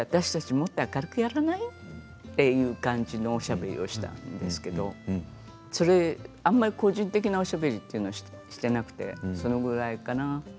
もっと明るくやらない？という感じのおしゃべりをしたんですけれどあまり個人的なおしゃべりっていうのはしていなくてそのぐらいかな。